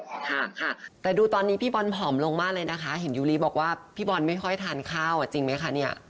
ค่ะค่ะแต่ดูตอนนี้พี่บอลผอมลงมากเลยนะคะเห็นยูริบอกว่าพี่บอลไม่ค่อยทานข้าวอ่ะจริงไหมคะเนี่ย